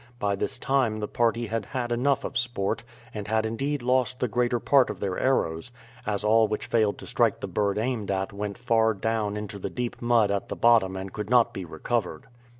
By this time the party had had enough of sport, and had indeed lost the greater part of their arrows, as all which failed to strike the bird aimed at went far down into the deep mud at the bottom and could not be recovered.